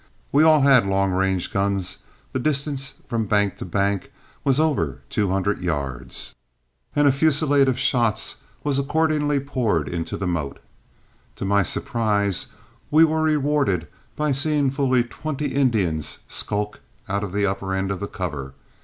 We all had long range guns, the distance from bank to bank was over two hundred yards, and a fusillade of shots was accordingly poured into the motte. To my surprise we were rewarded by seeing fully twenty Indians skulk out of the upper end of the cover.